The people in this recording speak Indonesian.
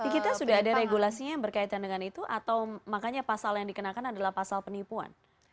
kita sudah ada regulasinya yang berkaitan dengan itu atau makanya pasal yang dikenakan adalah pasal penipuan